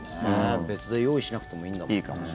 別で用意しなくてもいいんだもんね。